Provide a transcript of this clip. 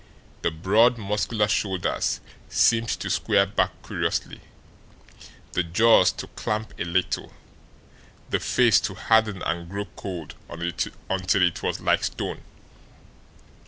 The broad, muscular shoulders seemed to square back curiously, the jaws to clamp a little, the face to harden and grow cold until it was like stone.